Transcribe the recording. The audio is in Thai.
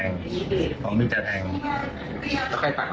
มันต้องการมาหาเรื่องมันจะมาแทงนะ